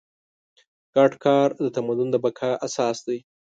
ګډ کار د تمدن د بقا اساس دی.